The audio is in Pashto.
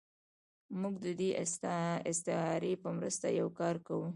موږ د دې استعارې په مرسته یو کار کوو.